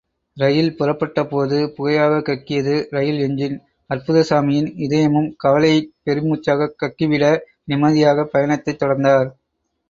இரயில் புறப்பட்டபோது, புகையாகக் கக்கியது rail engine, அற்புதசாமியின் இதயமும் கவலையைப் பெருமூச்சாகக் கக்கிவிட, நிம்மதியாக பயணத்தைத் தொடர்ந்தார்.